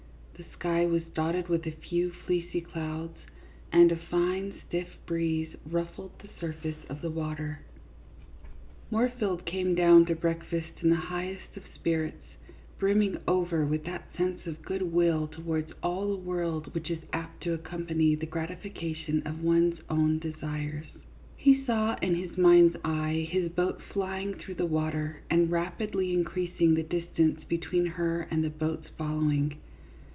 The sky was dotted with a few fleecy clouds, and a fine stiff breeze ruffled the sur face of the water. Moorfield came down to break 54 CLYDE MOORFIELD, YACHTSMAN. fast in the highest of spirits, brimming over with that sense of good will towards all the world which is apt to accompany the gratification of one's own desires. He saw, in his mind's eye, his boat flying through the water and rapidly increasing the dis tance between her and the boats following.